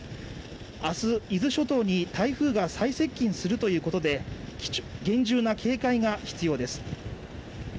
あす伊豆諸島に台風が最接近するということで厳重な警戒が必要です